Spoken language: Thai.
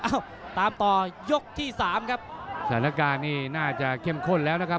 เอ้าตามต่อยกที่สามครับสถานการณ์นี่น่าจะเข้มข้นแล้วนะครับ